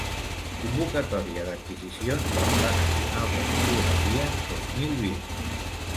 Convocatòria d'adquisicions del Pla Nacional de Fotografia dos mil vint.